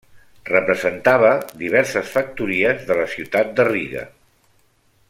Representava diverses factories de la ciutat de Riga.